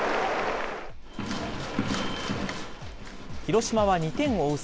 広島は２点を追う